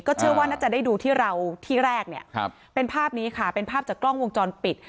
เชื่อว่าน่าจะได้ดูที่เราที่แรกเนี่ยเป็นภาพนี้ค่ะเป็นภาพจากกล้องวงจรปิด